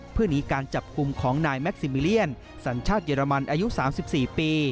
เพื่อหนีการจับกลุ่มของนายแม็กซิมิเลียนสัญชาติเยอรมันอายุ๓๔ปี